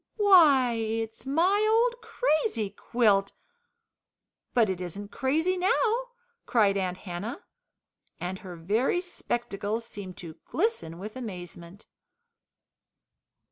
"Why, it's my old crazy quilt, but it isn't crazy now!" cried Aunt Hannah, and her very spectacles seemed to glisten with amazement.